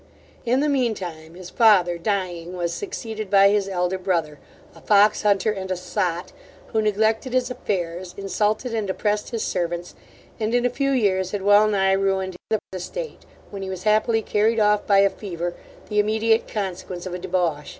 In the mean time, his father dying, was succeeded by his elder brother, a fox hunter and a sot, who neglected his affairs, insulted and oppressed his servants, and in a few years had well nigh ruined the estate, when he was happily carried off by a fever, the immediate consequence of a debauch.